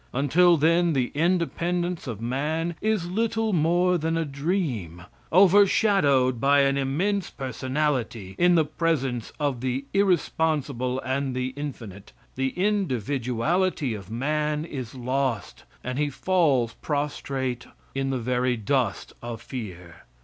Until then, the independence of man is little more than a dream. Overshadowed by an immense personality in the presence of the irresponsible and the infinite, the individuality of man is lost, and he falls prostrate in the very dust of fear.